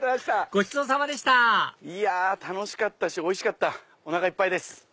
ごちそうさまでした楽しかったしおいしかったおなかいっぱいです。